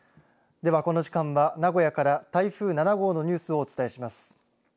では、この時間は名古屋から台風７号のニュースをお伝えします。